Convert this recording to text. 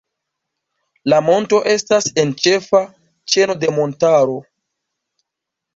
La monto estas en ĉefa ĉeno de montaro.